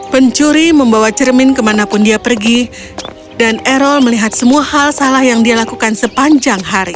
pencuri membawa cermin kemanapun dia pergi dan erol melihat semua hal salah yang dia lakukan sepanjang hari